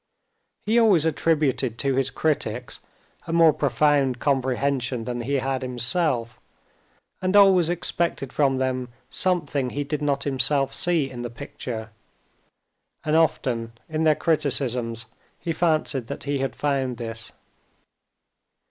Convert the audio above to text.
He always attributed to his critics a more profound comprehension than he had himself, and always expected from them something he did not himself see in the picture. And often in their criticisms he fancied that he had found this.